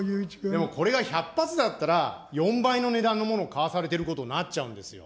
でもこれが１００発だったら、４倍の値段のものを買わされていることになっちゃうんですよ。